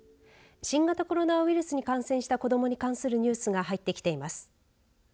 新型コロナウイルスに感染した子どもに関するニュースが入ってきています。